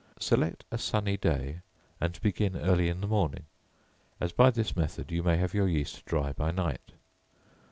Select a sunny day, and begin early in the morning, as by this method you may have your yeast dry by night.